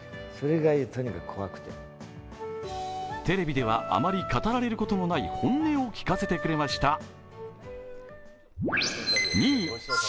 テレビではあまり語られることのない本音を聞かせてくれました。